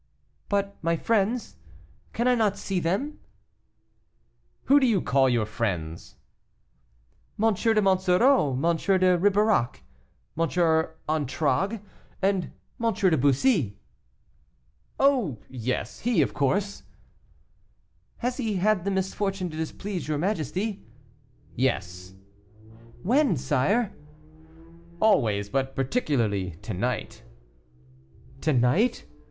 "But, my friends cannot I see them?" "Who do you call your friends?" "M. de Monsoreau, M. de Ribeirac, M. Antragues, and M. de Bussy." "Oh, yes, he, of course." "Has he had the misfortune to displease your majesty?" "Yes." "When, sire?" "Always, but particularly to night." "To night!